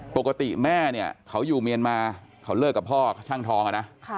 ปกติแม่เนี่ยเขาอยู่เมียนมาเขาเลิกกับพ่อช่างทองอะนะ